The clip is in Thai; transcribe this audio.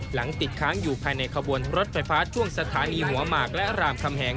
ติดค้างอยู่ภายในขบวนรถไฟฟ้าช่วงสถานีหัวหมากและรามคำแหง